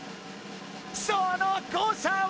その誤差は？